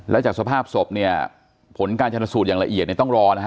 แล้วจากสภาพศพเนี่ยผลการชนสูตรอย่างละเอียดเนี่ยต้องรอนะฮะ